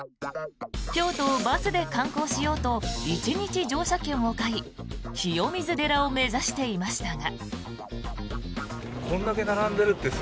京都をバスで観光しようと１日乗車券を買い清水寺を目指していましたが。